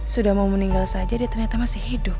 sudah mau meninggal saja dia ternyata masih hidup